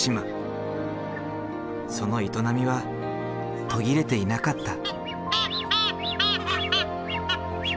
その営みは途切れていなかった。